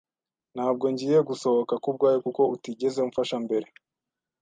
Ntabwo ngiye gusohoka kubwawe kuko utigeze umfasha mbere.